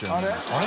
あれ？